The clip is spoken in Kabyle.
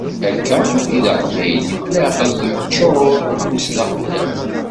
Akka i d aqbayli, leεqel yeččur afus d axeddam.